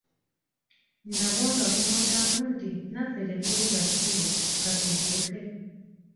Nabwo nga buddamu nti, naffe tetuli basiru, ka tudduke.